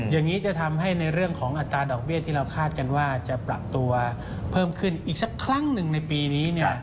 อย่างนี้จะทำให้ในเรื่องของอัตราดอกเบี้ยที่เราคาดกันว่าจะปรับตัวเพิ่มขึ้นอีกสักครั้งหนึ่งในปีนี้